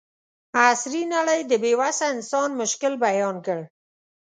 عصري نړۍ د بې وسه انسان مشکل بیان کړ.